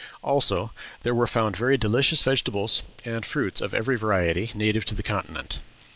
Also, there were found very delicious vegetables and fruits of every variety native to the continent.